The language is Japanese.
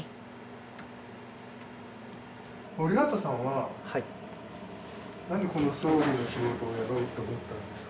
森畑さんは何でこの葬儀の仕事をやろうって思ったんですか？